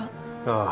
ああ。